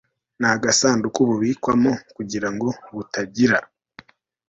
n agasanduku bubikwamo kugira ngo butagira